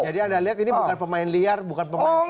jadi anda lihat ini bukan pemain liar bukan pemain